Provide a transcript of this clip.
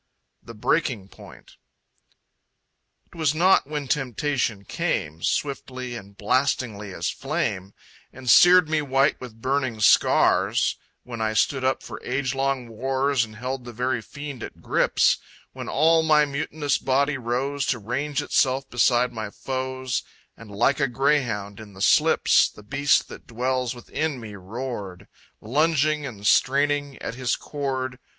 The Breaking Point It was not when temptation came, Swiftly and blastingly as flame, And seared me white with burning scars; When I stood up for age long wars And held the very Fiend at grips; When all my mutinous body rose To range itself beside my foes, And, like a greyhound in the slips, The Beast that dwells within me roared, Lunging and straining at his cord....